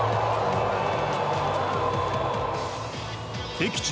敵地